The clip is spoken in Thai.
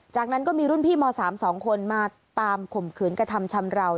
จากนั้นก็มีรุ่นพี่ม๓๒คนมาตามข่มขืนกระทำชำราว